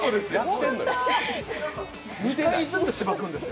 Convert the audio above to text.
２回ずつしばくんですよ。